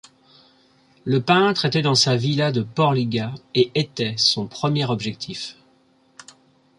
Le peintre était dans sa villa de Port Lligat et était son premier objectif.